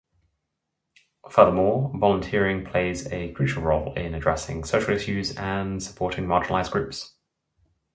Furthermore, volunteering plays a crucial role in addressing social issues and supporting marginalized groups.